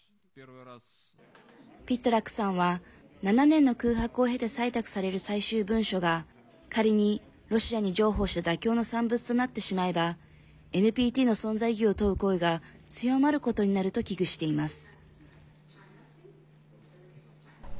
ピットラックさんは７年の空白を経て採択される最終文書が仮にロシアに譲歩した妥協の産物となってしまえばＮＰＴの存在意義を問う声が強まることになると危惧しています。